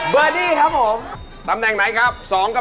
แผ่นต่อไปครับ